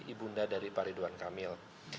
ibu unda dari faridwan kamil